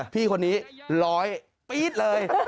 พี่คนนี้ร้อยปี๊ดเลย